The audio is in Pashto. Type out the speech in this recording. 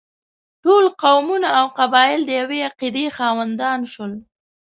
ټول قومونه او قبایل د یوې عقیدې خاوندان شول.